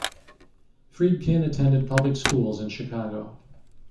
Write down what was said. Friedkin attended public schools in Chicago.